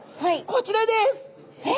こちらです！え？